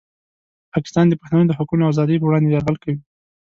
پاکستان د پښتنو د حقونو او ازادۍ په وړاندې یرغل کوي.